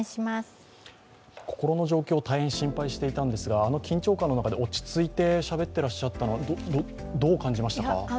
心の状況、大変心配していたんですが、あの緊張感の中落ち着いてしゃべってらっしゃったのはどう感じましたか？